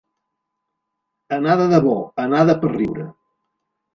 Anar de debò, anar de per riure.